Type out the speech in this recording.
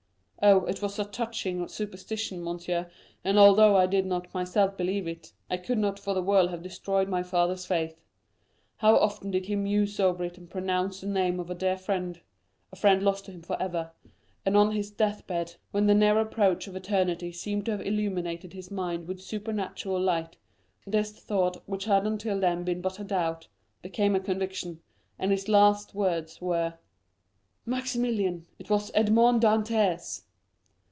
Oh, it was a touching superstition, monsieur, and although I did not myself believe it, I would not for the world have destroyed my father's faith. How often did he muse over it and pronounce the name of a dear friend—a friend lost to him forever; and on his death bed, when the near approach of eternity seemed to have illumined his mind with supernatural light, this thought, which had until then been but a doubt, became a conviction, and his last words were, 'Maximilian, it was Edmond Dantès!